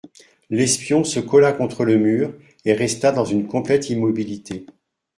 L'espion se colla contre le mur et resta dans une complète immobilité.